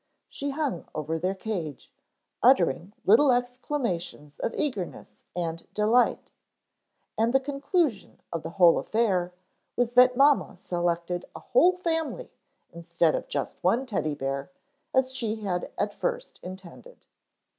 She hung over their cage, uttering little exclamations of eagerness, and delight; and the conclusion of the whole affair was that mamma selected a whole family instead of just one Teddy bear as she had at first intended.